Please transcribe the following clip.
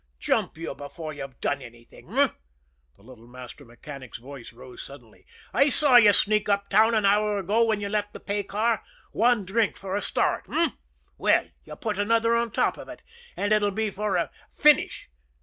Jump you before you've done anything eh!" The little master mechanic's voice rose suddenly. "I saw you sneak uptown an hour ago when you left the pay car one drink for a start h'm! Well, you put another on top of it, and it'll be for a finish!